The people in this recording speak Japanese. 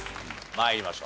参りましょう。